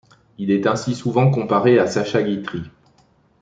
Il est ainsi souvent comparé à Sacha Guitry.